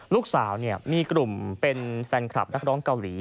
ลูกสาวมีกลุ่มเป็นแฟนคลับนักร้องเกาหลี